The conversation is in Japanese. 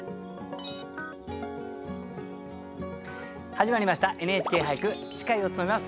始まりました「ＮＨＫ俳句」司会を務めます